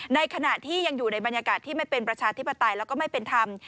ในขณะที่ยังอยู่ในบรรยากาศที่ไม่เป็นประชาธิปไตยแล้วก็ไม่เป็นธรรม